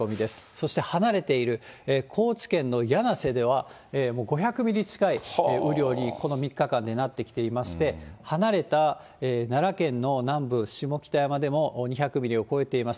そして離れている高知県の魚梁瀬ではもう５００ミリ近い雨量に、この３日間でなってきていまして、離れた奈良県の南部、下北山でも２００ミリを超えています。